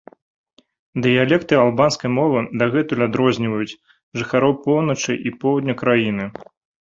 Дыялекты албанскай мовы дагэтуль адрозніваюць жыхароў поўначы і поўдня краіны.